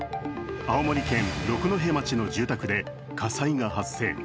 青森県六戸町の住宅で火災が発生。